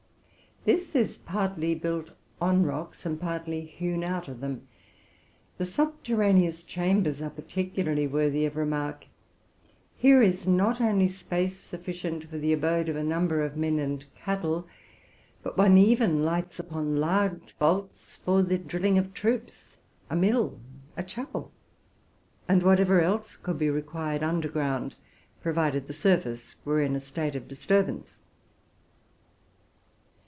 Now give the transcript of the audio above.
This is partly built on rocks, and partly hewn out of them. The subterraneous chambers are particularly worthy of remark: here is not only space sufficient for the abode of a number of men and cattle, but one even lights upon large vaults for the drilling of troops. a mill, a chapel, and whatever else could be required under ground, provided the surface were in a state of disturbance.